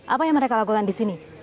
apa yang mereka lakukan di sini